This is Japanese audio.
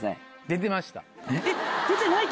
出てました。